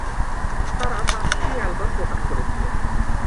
তারা পাঁচটি অ্যালবাম প্রকাশ করেছিল।